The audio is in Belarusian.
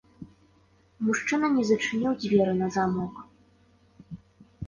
Мужчына не зачыніў дзверы на замок.